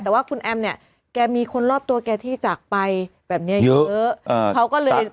แต่ว่าคุณแอมเนี่ยแกมีคนรอบโต้แกที่จากไปเยอะเขาก็เลยไปเชื่องโยง